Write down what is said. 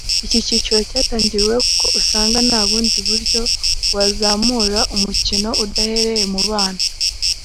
Iki cyiciro cyatangiriweho kuko usanga nta bundi buryo wazamura umukino udahereye mu bana